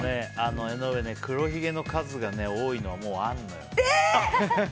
江上ね、黒ひげの数が多いのはもうあるのよ。